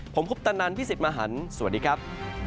ผมคุกตะนันพี่ศิษย์มหันธ์สวัสดีครับ